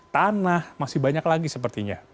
tanah masih banyak lagi sepertinya